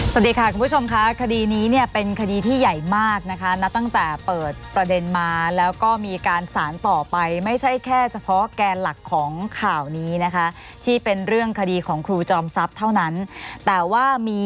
สวัสดีค่ะคุณผู้ชมค่ะคดีนี้เนี่ยเป็นคดีที่ใหญ่มากนะคะนับตั้งแต่เปิดประเด็นมาแล้วก็มีการสารต่อไปไม่ใช่แค่เฉพาะแกนหลักของข่าวนี้นะคะที่เป็นเรื่องคดีของครูจอมทรัพย์เท่านั้นแต่ว่ามี